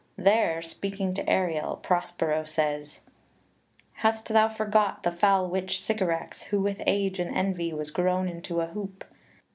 There, speaking to Ariel, Prospero says: "Hast thou forgot The foul witch Sycorax, who with age and envy Was grown in to a hoop?